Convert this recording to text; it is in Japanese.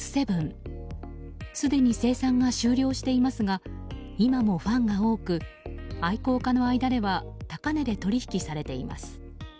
すでに生産が終了していますが今もファンが多く愛好家の間では高値で取引されています。